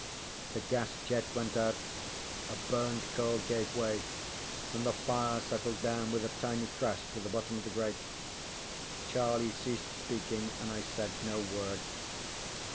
ŌĆØ The gas jet went out, a burned coal gave way, and the fire settled down with a tiny crash to the bottom of the grate. Charlie ceased speaking, and I said no word.